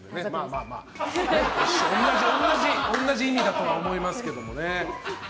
まあまあ、同じ意味だと思いますけどね。